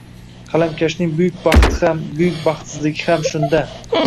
qalamkashning buyuk baxti ham, buyuk baxtsizligi ham shunda!